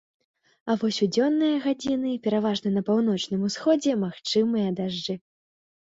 А вось у дзённыя гадзіны пераважна на паўночным усходзе магчымыя дажджы.